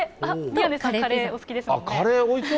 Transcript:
宮根さん、カレーお好きですもんね。